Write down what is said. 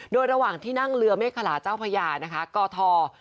โดยระหว่างที่นั่งเรือเมฆขลาเจ้าพระยานะคะก่อทอ๒๖๑๐๓๒๗๐๓